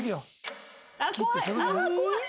ああ怖い！